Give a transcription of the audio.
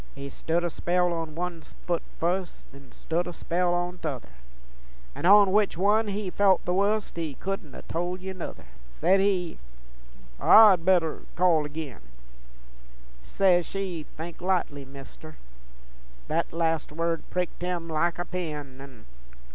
He stood a spell on one foot fust, Then stood a spell on t'other, An' on which one he felt the wust He couldn't ha' told ye nuther. Says he, 'I'd better call agin:' Says she, 'Think likely, Mister:' Thet last word pricked him like a pin, An' ...